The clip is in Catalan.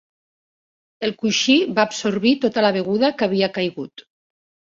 El coixí va absorbir tota la beguda que havia caigut.